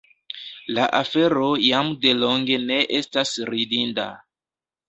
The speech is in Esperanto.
la afero jam delonge ne estas ridinda.